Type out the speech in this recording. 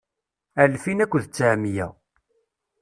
Alfin akked tteɛmiyya.